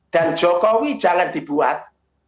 dan jokowi jangan dibuat